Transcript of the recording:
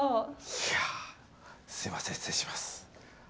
いやすいません失礼します。